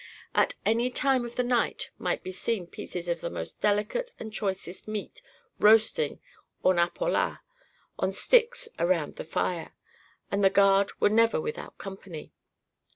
At any time of the night might be seen pieces of the most delicate and choicest meat, roasting en appolas, on sticks around the fire, and the guard were never without company.